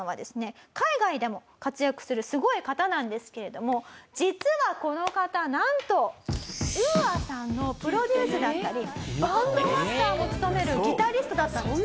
海外でも活躍するすごい方なんですけれども実はこの方なんとＵＡさんのプロデュースだったりバンドマスターも務めるギタリストだったんです。